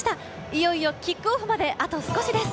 いよいよキックオフまであと少しです。